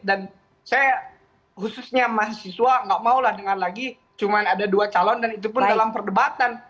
dan saya khususnya mahasiswa nggak mau lah dengan lagi cuma ada dua calon dan itu pun dalam perdebatan